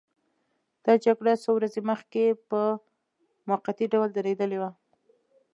دا جګړه څو ورځې مخکې په موقتي ډول درېدلې وه.